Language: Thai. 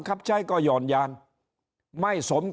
ถ้าท่านผู้ชมติดตามข่าวสาร